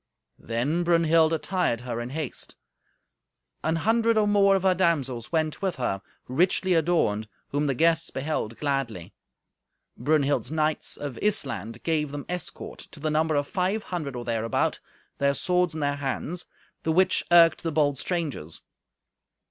Then Brunhild attired her in haste. An hundred or more of her damsels went with her, richly adorned, whom the guests beheld gladly. Brunhild's knights of Issland gave them escort, to the number of five hundred or thereabout, their swords in their hands, the which irked the bold strangers.